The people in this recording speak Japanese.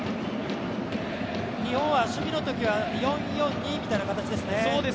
日本は守備のときは４−４−２みたいな形ですね。